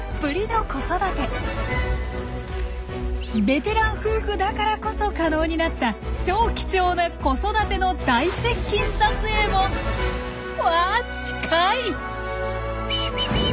ベテラン夫婦だからこそ可能になった超貴重な子育ての大接近撮影も！わ近い！